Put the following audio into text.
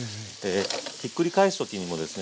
ひっくり返す時にもですね